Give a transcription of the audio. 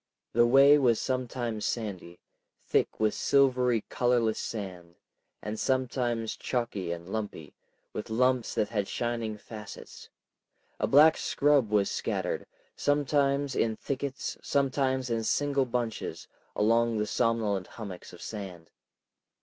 The way was sometimes sandy, thick with silvery colorless sand, and sometimes chalky and lumpy, with lumps that had shining facets; a black scrub was scattered, sometimes in thickets, sometimes in single bunches, among the somnolent hummocks of sand.